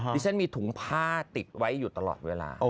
ดิฉันมีถุงผ้าติดไว้อยู่ตลอดเวลา